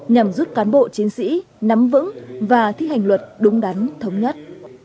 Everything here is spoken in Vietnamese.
nhằm giúp cán bộ chiến sĩ nắm vững và thi hành luật đúng đắn thống nhất